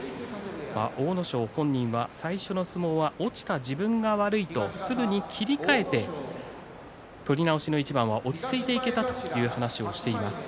阿武咲を本人は最初の相撲は落ちた自分が悪いとすぐに切り替えて取り直しの一番は落ち着いていけたという話をしています。